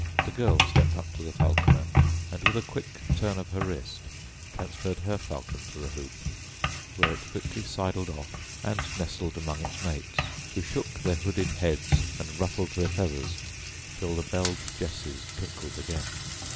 The girl stepped up to the falconer, and with a quick turn of her wrist transferred her falcon to the hoop, where it quickly sidled off and nestled among its mates, who shook their hooded heads and ruffled their feathers till the belled jesses tinkled again.